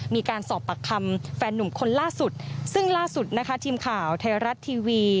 มีการสอบปากคำแฟนหนุ่มคนล่าสุดซึ่งล่าสุดนะคะทีมข่าวไทยรัฐทีวี